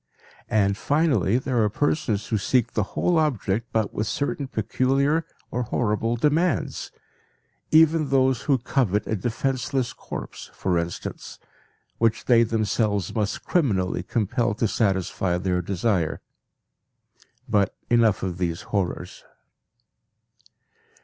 And finally there are persons who seek the whole object but with certain peculiar or horrible demands: even those who covet a defenseless corpse for instance, which they themselves must criminally compel to satisfy their desire. But enough of these horrors.